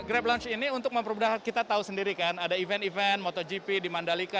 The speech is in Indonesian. grab launch ini untuk mempermudah kita tahu sendirikan ada event event motogp di mandalika